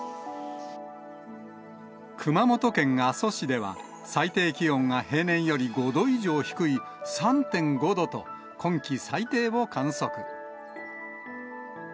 熊本県阿蘇市では、最低気温が平年より５度以上低い３．５度と、今季最低を観測。